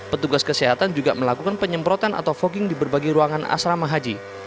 petugas kesehatan juga melakukan penyemprotan atau fogging di berbagai ruangan asrama haji